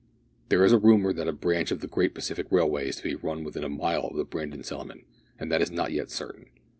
There is a rumour that a branch of the Great Pacific Railway is to be run within a mile of the Brandon Settlement; but that is not yet certain.